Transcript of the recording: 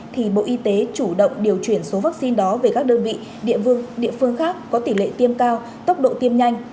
thì bộ y tế chủ động điều chuyển số vaccine đó về các đơn vị địa phương địa phương khác có tỷ lệ tiêm cao tốc độ tiêm nhanh